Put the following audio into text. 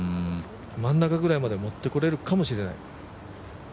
真ん中ぐらいまで持ってこれるかもしれない。